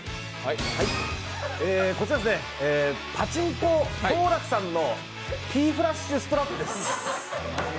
こちらパチンコ京楽さんのＰフラッシュストラップです。